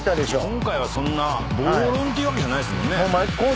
今回は暴論っていうわけじゃないですもんね。